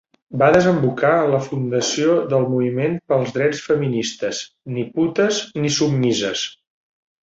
Va desembocar en la fundació del moviment pels drets feministes "Ni Putes Ni Soumises".